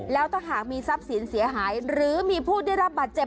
แล้วถ้าหากมีทรัพย์สินเสียหายหรือมีผู้ได้รับบาดเจ็บ